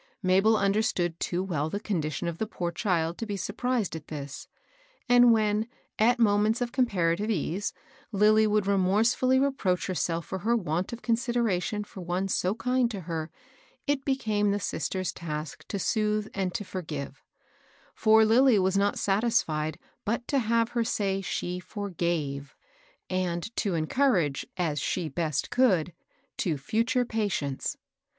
Mabel understood too well the condition of the poor child to be surprised at this; and when, at moments of comparative ease, Lilly would re morsefully reproach herself for her want of con sideration for one so kind to her, it became the fifeter's task to soothe and to forgive, — for Lilly HEABT SCALDS. 211 wad not satisfied but to have her say she forgave^ — and to encourage, as she best could, to fiiture patience.